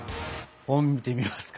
本見てみますか。